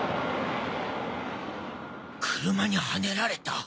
車にはねられた？